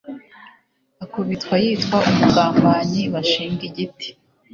akubitwa yitwa umugambanyi bashing igiti